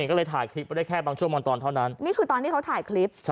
นี่ก็เลยถ่ายคลิปได้แค่บางชั่วมอดตอนเท่านั้นนี่คือตอนที่เขาถ่ายคลิปใช่